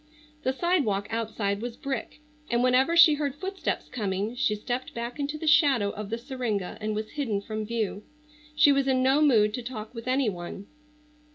The sidewalk outside was brick, and whenever she heard footsteps coming she stepped back into the shadow of the syringa and was hidden from view. She was in no mood to talk with any one.